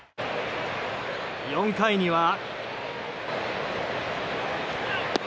４回には。